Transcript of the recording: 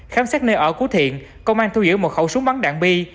khám xét nơi ở của thiện công an thu giữ một khẩu súng bắn đạn bi